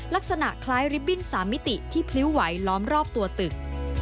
ลักษณะคล้ายลิปบิ้น๓มิติที่พลิ้วไหวล้อมรอบตัวตึก